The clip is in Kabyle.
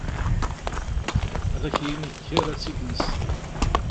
Ad ak-yini kker ad tt-id nesker.